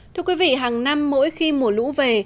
thưa quý vị hàng năm mỗi khi mùa lũ về